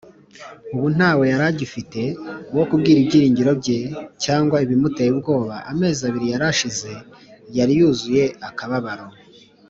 . Ubu ntawe yari agifite wo kubwira ibyiringiro bye cyangwa ibimuteye ubwoba. Amezi abiri yari ashize yari yuzuye akababaro